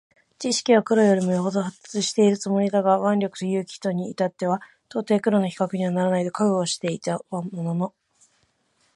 智識は黒よりも余程発達しているつもりだが腕力と勇気とに至っては到底黒の比較にはならないと覚悟はしていたものの、